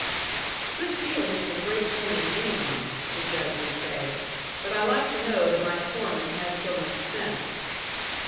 "Good feeling is a great thing in any one," the Judge would say; "but I like to know that my foreman has so much sense."